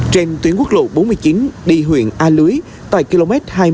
trên tuyến quốc lộ bốn mươi chín đi huyện a lưới tại km hai mươi một hai trăm linh